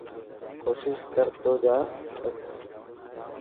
ڪوشش ڪر تو جا بس.